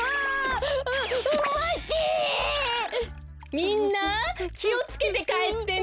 みんなきをつけてかえってね。